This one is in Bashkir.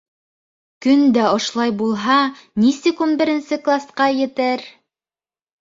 Көн дә ошолай булһа, нисек ун беренсе класҡа етер!